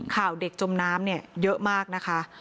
ข่าวเด็กจมน้ำเนี่ยเยอะมากนะคะ